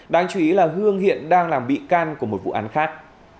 đáng chú ý là hương hiện đang làm bị can của một vụ án khác